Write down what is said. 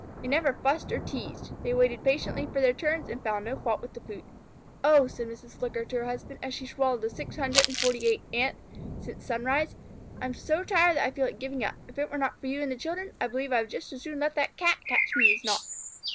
They never fussed or teased. They waited patiently for their turns and found no fault with the food. "Oh," said Mrs. Flicker to her husband, as she swallowed the six hundred and forty eighth Ant since sunrise. "I am so tired that I feel like giving up. If it were not for you and the children, I believe I would just as soon let that Cat catch me as not."